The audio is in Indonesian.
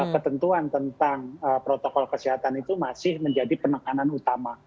ketentuan tentang protokol kesehatan itu masih menjadi penekanan utama